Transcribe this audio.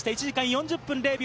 １時間４０分０秒。